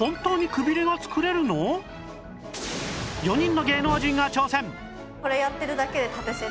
４人の芸能人が挑戦！